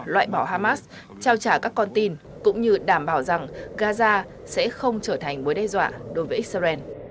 loại bỏ hamas trao trả các con tin cũng như đảm bảo rằng gaza sẽ không trở thành mối đe dọa đối với israel